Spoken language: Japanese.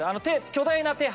巨大な手橋。